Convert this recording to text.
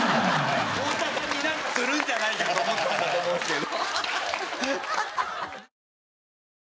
太田さんになんかするんじゃないかと思ったんだと思うんですけど。